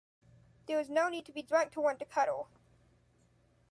There is no need to be drunk to want to cuddle.